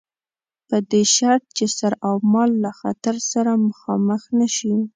په دې شرط چې سر اومال له خطر سره مخامخ نه شي.